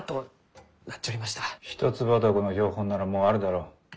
ヒトツバタゴの標本ならもうあるだろう。